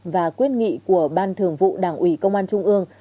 và quyết nghị của ban thường vụ đảng ủy công an trung ương